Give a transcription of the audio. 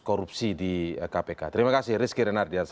korupsi di kpk terima kasih rizky renardian